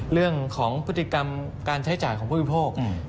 เรื่องของพฤติกรรมการใช้จ่ายของผู้บริโภค